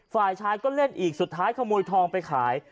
ฝ่ายชายก็เล่นอีกสุดท้ายขโมยทองไปขาย